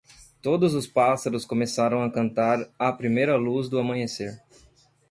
Todos os pássaros começaram a cantar à primeira luz do amanhecer.